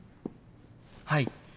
はい。